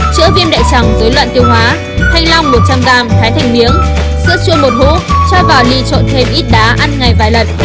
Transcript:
chữa viêm đại trắng dưới luận tiêu hóa thanh long một trăm linh g thái thành miếng sữa chua một hũ cho vào ly trộn thêm ít đá ăn ngày vài lần